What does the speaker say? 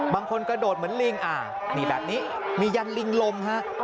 บางคนกระโดดเหมือนลิงนี่แบบนี้มียันลิงลมฮะ